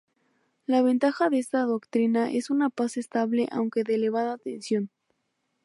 La ventaja de esta doctrina es una paz estable aunque de elevada tensión.